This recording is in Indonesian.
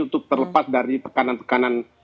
untuk terlepas dari tekanan tekanan